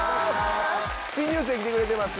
新入生来てくれてます